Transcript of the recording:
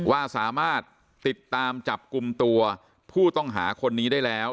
ว่าสามารถติดตามจับกลุ่มตัวผู้ต้องหาคนนี้ได้แล้ว